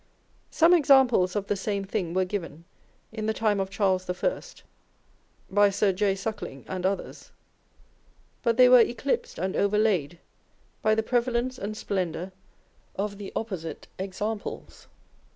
Some examples of the same thing were given in the time of Charles I. by Sir J. Suckling and others, but they were eclipsed and over laid by the. prevalence and splendour of the opposite examples.